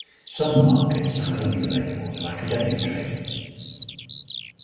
Some markets are only available to academic traders.